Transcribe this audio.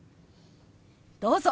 どうぞ。